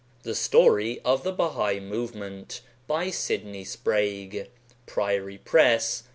The Story of the Bahai Movement by Sydney Sprague. priory press.